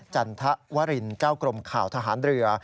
จันทวรินเจ้ากรมข่าวทหารเรือ